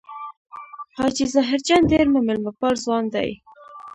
حاجي ظاهر جان ډېر مېلمه پال ځوان دی.